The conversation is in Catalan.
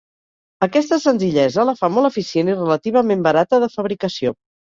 Aquesta senzillesa la fa molt eficient i relativament barata de fabricació.